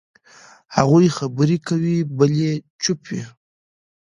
هغوی خبرې کوي، بل یې چوپ وي.